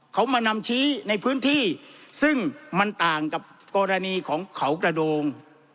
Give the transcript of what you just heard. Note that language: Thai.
เขามานำชี้ในพื้นที่ซึ่งมันต่างกับกรณีของเขากระโดง